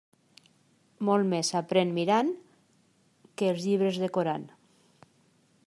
Molt més s'aprén mirant que els llibres decorant.